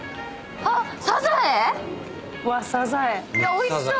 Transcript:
おいしそう。